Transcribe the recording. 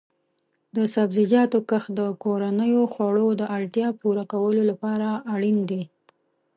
د سبزیجاتو کښت د کورنیو خوړو د اړتیا پوره کولو لپاره اړین دی.